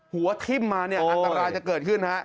หัวทิ้มมาเนี่ยอันตรายจะเกิดขึ้นฮะ